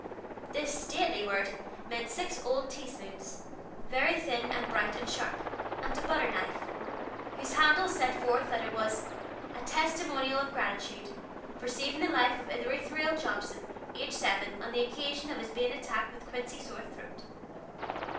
This stately word meant six old teaspoons, very thin and bright and sharp, and a butter knife, whose handle set forth that it was "A testimonial of gratitude, for saving the life of Ithuriel Jobson, aged seven, on the occasion of his being attacked with quinsy sore throat."